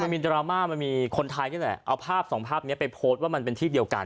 มีดราม่ามันมีคนไทยนี่แหละเอาภาพสองภาพนี้ไปโพสต์ว่ามันเป็นที่เดียวกัน